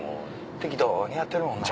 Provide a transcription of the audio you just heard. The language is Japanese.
適当にやってるもんな。